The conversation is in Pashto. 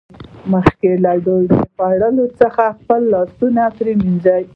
مخکې له ډوډۍ خوړلو څخه خپل لاسونه پرېمینځئ